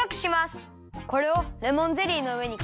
これをレモンゼリーのうえにかざるよ。